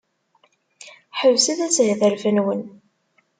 Ḥebset ashetref-nwen!